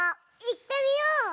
いってみよう！